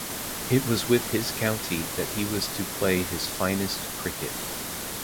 It was with his county that he was to play his finest cricket.